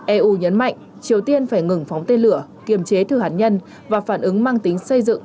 eu nhấn mạnh triều tiên phải ngừng phóng tên lửa kiềm chế thử hạt nhân và phản ứng mang tính xây dựng